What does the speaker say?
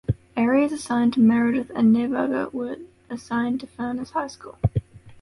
Areas assigned to Meredith and Nebinger are assigned to Furness High School.